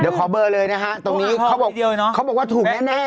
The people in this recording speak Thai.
เดี๋ยวขอเบอร์เลยนะฮะตรงนี้เขาบอกเขาบอกว่าถูกแน่